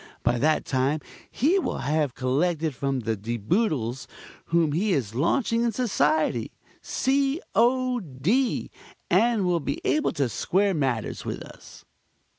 By that time he will have collected from the De Boodles, whom he is launching in society C. O. D. and will be able to square matters with us."